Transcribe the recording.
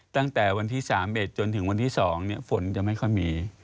ตั้งแต่วันที่๓๑จนถึงวันที่๒ฝนจะไม่ค่อยมี